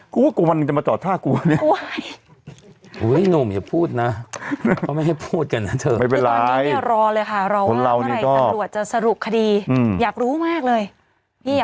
กูว่ากูวันหนึ่งจะมาจอดท่ากูวันนี้